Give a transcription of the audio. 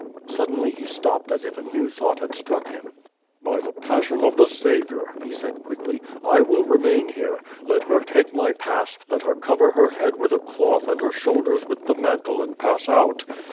Suddenly he stopped as if a new thought had struck him: "By the passion of the Saviour," he said quickly, "I will re main here; let her take my pass, let her cover her head with a cloth and her shoulders with the mantle and pass out.